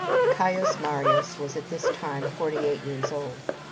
] Caius Marius was at this time forty eight years old.